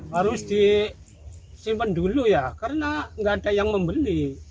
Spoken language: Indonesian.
harus disimpan dulu ya karena nggak ada yang membeli